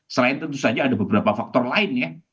selain tentu saja ada beberapa faktor lain ya